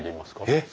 えっ。